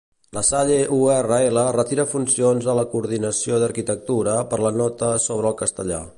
La Salle-URL retira funcions a la coordinació d'Arquitectura per la nota sobre el castellà.